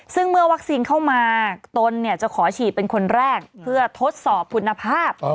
ซึ่งเมื่อวัคซีนเข้ามาตนจะขอฉีดเป็นคนแรกเพื่อทดสอบคุณภาพ